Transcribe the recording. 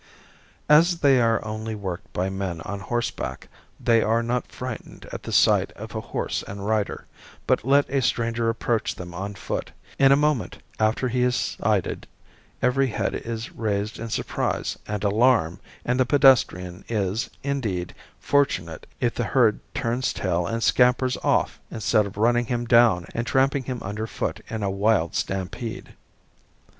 As they are only worked by men on horseback they are not frightened at the sight of a horse and rider; but let a stranger approach them on foot, in a moment after he is sighted every head is raised in surprise and alarm and the pedestrian is, indeed, fortunate if the herd turns tail and scampers off instead of running him down and tramping him under foot in a wild stampede.